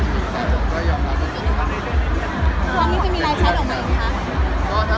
พิษรหาร่าคาดีกันนะคะ